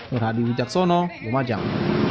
nur hadi wicaksono lumajang